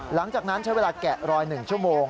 หลังจากนั้นใช้เวลาแกะรอย๑ชั่วโมง